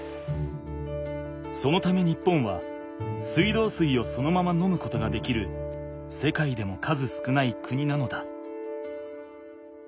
そのため日本は水道水をそのまま飲むことができる世界でも数少ない国なのだ。